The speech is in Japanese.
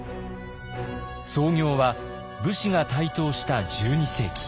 創業は武士が台頭した１２世紀。